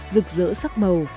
rực rỡ sắc màu